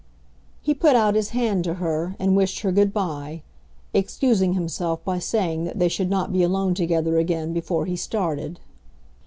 He put out his hand to her, and wished her good bye, excusing himself by saying that they should not be alone together again before he started.